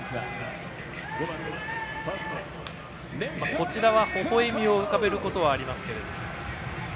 こちらは、ほほ笑みを浮かべることはありますが。